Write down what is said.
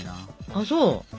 あっそう。